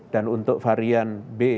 dan untuk varian b satu enam satu tujuh